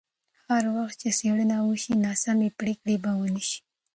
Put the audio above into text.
هر وخت چې څېړنه وشي، ناسمې پرېکړې به ونه شي.